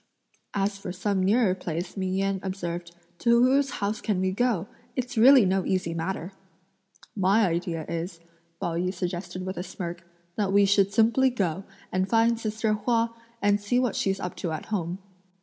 "As for some nearer place," Ming Yen observed; "to whose house can we go? It's really no easy matter!" "My idea is," Pao yü suggested with a smirk, "that we should simply go, and find sister Hua, and see what she's up to at home."